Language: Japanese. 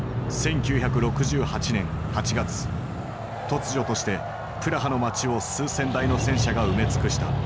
突如としてプラハの街を数千台の戦車が埋め尽くした。